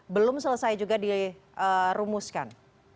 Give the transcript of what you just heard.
belum selesai juga dirumuskan